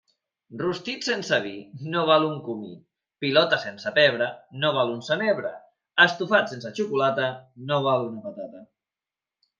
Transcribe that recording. Rostit sense vi no val un comí, pilota sense pebre no val un senabre, estofat sense xocolata no val una patata.